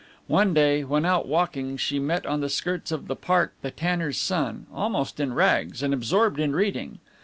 One day, when out walking, she met on the skirts of the park the tanner's son, almost in rags, and absorbed in reading.